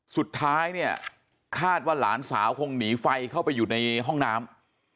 สุดท้ายเนี่ยคาดว่าหลานสาวคงหนีไฟเข้าไปอยู่ในห้องน้ำ